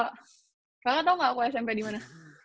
kalian gak tau gak aku smp di mana